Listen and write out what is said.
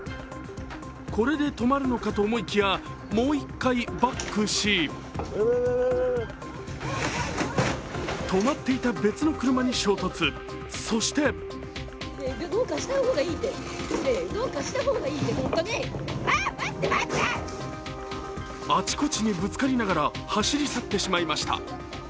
これで止まるのかと思いきやもう１回バックし止まっていた別の車に衝突、そしてあちこちにぶつかりながら走り去ってしまいました。